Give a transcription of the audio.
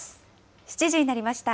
７時になりました。